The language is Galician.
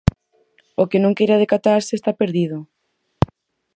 O que non queira decatarse está perdido.